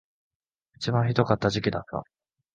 一番ひどかった時期だった